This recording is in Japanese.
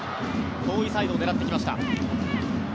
遠いサイドを狙っていきました。